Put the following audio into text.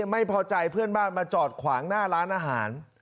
ไม่พอใจเพื่อนบ้านมาจอดขวางหน้าร้านอาหาร